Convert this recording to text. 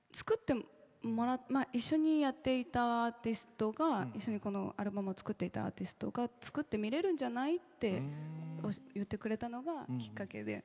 一緒にやっていたアーティストが一緒にこのアルバムを作っていたアーティストが作ってみれるんじゃない？って言ってくれたのがきっかけで。